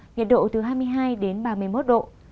nhiệt độ từ hai mươi hai đến ba mươi một độ